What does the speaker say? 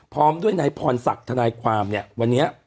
พร้อมด้วยนายพรสักธนายความวันนี้